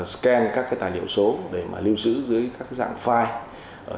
scan các tài liệu số để lưu trữ dưới các dạng file